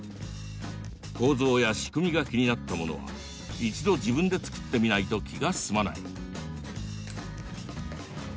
構造や仕組みが気になったものは一度自分で作ってみないと気が済まない。